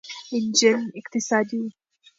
انجن اقتصادي و.